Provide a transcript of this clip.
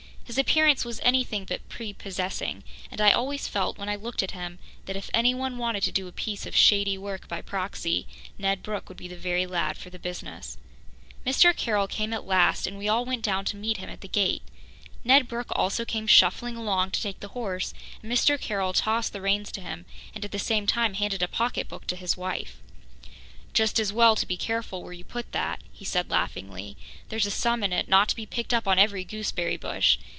His appearance was anything but prepossessing, and I always felt, when I looked at him, that if anyone wanted to do a piece of shady work by proxy, Ned Brooke would be the very lad for the business. Mr. Carroll came at last, and we all went down to meet him at the gate. Ned Brooke also came shuffling along to take the horse, and Mr. Carroll tossed the reins to him and at the same time handed a pocketbook to his wife. "Just as well to be careful where you put that," he said laughingly. "There's a sum in it not to be picked up on every gooseberry bush.